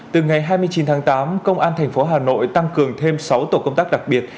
từ ngày hai mươi chín tháng tám công an thành phố hà nội tăng cường thêm sáu tổ công tác đặc biệt